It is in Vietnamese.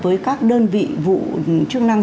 với các đơn vị vụ chức năng